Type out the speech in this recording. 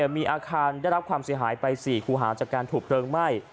มีอาคารได้รับความเสียหายไป๔คูหาจากการถูกเพลิงไหม้